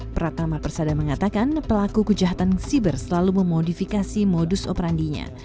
pratama persada mengatakan pelaku kejahatan siber selalu memodifikasi modus operandinya